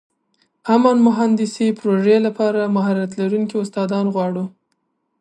امن مهندسي پروژې لپاره مهارت لرونکي استادان غواړو.